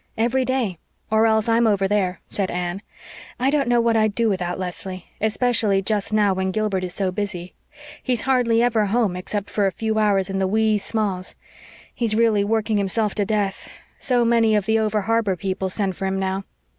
"Every day or else I'm over there," said Anne. "I don't know what I'd do without Leslie, especially just now when Gilbert is so busy. He's hardly ever home except for a few hours in the wee sma's. He's really working himself to death. So many of the over harbor people send for him now."